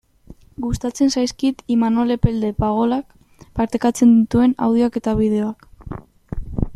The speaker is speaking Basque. Gustatzen zaizkit Imanol Epelde Pagolak partekatzen dituen audioak eta bideoak.